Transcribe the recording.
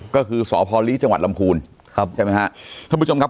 ก็คือสพลีจังหวัดลำพูนครับใช่ไหมฮะท่านผู้ชมครับ